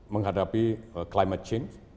menghadapi climate change